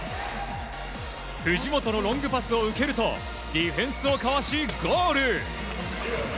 藤本のロングパスを受けるとディフェンスをかわし、ゴール。